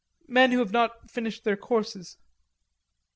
Men who have not finished their courses."